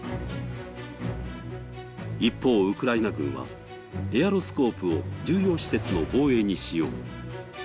一方、ウクライナ軍はエアロスコープを重要施設の防衛に使用。